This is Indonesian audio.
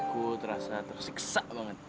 aku terasa tersiksa banget